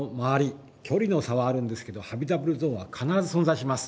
距離の差はあるんですけどハビタブルゾーンは必ず存在します。